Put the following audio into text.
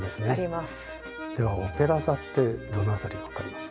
ではオペラ座ってどの辺りか分かりますか？